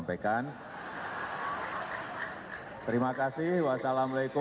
para pengumuman politeknya juga harus dikira in agree yang bold sekarang